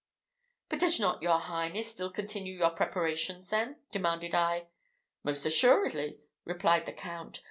"But does not your highness still continue your preparations, then?" demanded I. "Most assuredly," replied the Count.